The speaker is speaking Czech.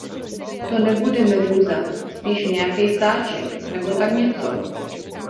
To nebude medúza, spíš nějakej sáček, nebo tak něco.